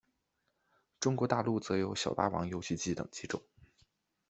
中国大陆则有小霸王游戏机等机种。